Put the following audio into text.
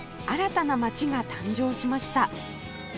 新たな街が誕生しました